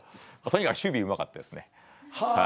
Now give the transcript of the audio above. とにかく守備うまかったですね。